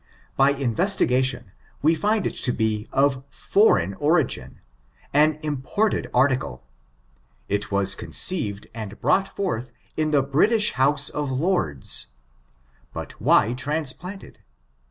By investigation, yre find it to be of foreign origin^ an imported article. It ^as conceived and brought forth in tiie British Hoase of Lords. But why transplanted